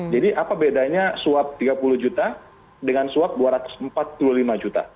jadi apa bedanya suap tiga puluh juta dengan suap dua ratus empat puluh lima juta